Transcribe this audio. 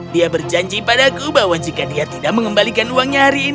dia berjanji padaku bahwa jika dia tidak mengembalikannya